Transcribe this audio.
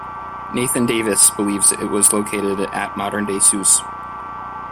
Nathan Davis believes it was located at modern day Sousse.